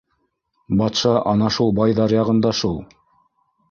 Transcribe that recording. — Батша ана шул байҙар яғында шул.